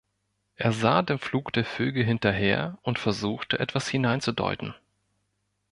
Er sah dem Flug der Vögel hinterher und versuchte, etwas hineinzudeuten.